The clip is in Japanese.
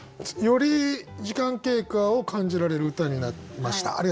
より時間経過を感じられる歌になりました。